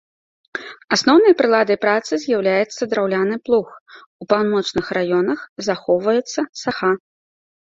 Асноўнай прыладай працы з'яўляецца драўляны плуг, у паўночных раёнах захоўваецца саха.